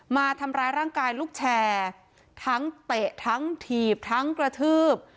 มาทำร้ายร่างกายลูกแชร์ทั้งเตะทั้งถีบทั้งกระทืบ